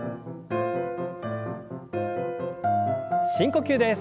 深呼吸です。